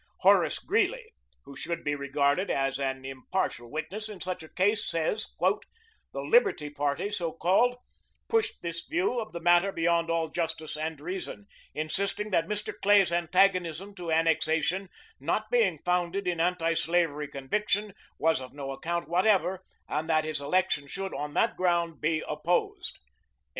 Horace Greeley, who should be regarded as an impartial witness in such a case, says, "The 'Liberty Party,' so called, pushed this view of the matter beyond all justice and reason, insisting that Mr. Clay's antagonism to annexation, not being founded in antislavery conviction, was of no account whatever, and that his election should, on that ground, be opposed."